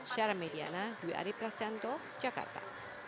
syara mediana dwi adi plasento jakarta